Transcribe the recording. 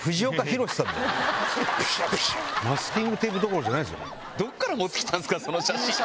マスキングテープどころじゃない。